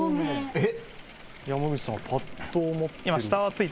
えっ！？